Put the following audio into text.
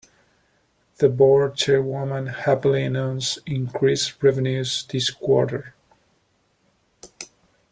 The board chairwoman happily announced increased revenues this quarter.